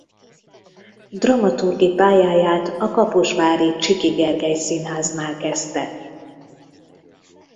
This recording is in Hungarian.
Dramaturgi pályáját a kaposvári Csiky Gergely Színháznál kezdte.